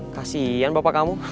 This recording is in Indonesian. kasian bapak kamu